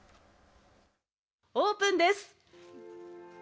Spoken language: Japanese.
オープンです。